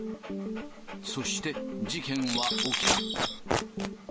そして、事件は起きた。